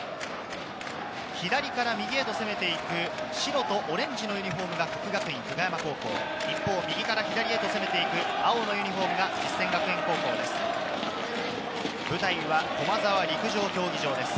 左から右へと攻めて行く白とオレンジのユニホームが國學院久我山高校、一方、右から左へと攻めて行く、青のユニホームが実践学園高校です。